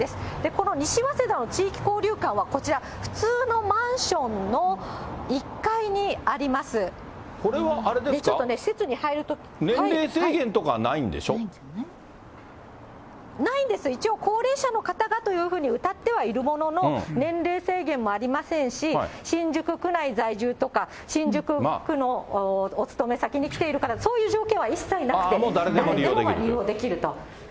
この西早稲田の地域交流館は、こちら、普通のマンションの１階にこれはあれですか、ないんです、一応、高齢者の方がというふうにうたってはいるものの、年齢制限もありませんし、新宿区内在住とか、新宿区のお勤め先に来ている方、そういう条件は一切なくて、誰でもが利用できると。